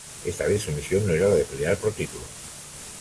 Esta vez, su misión no era la de pelear por títulos.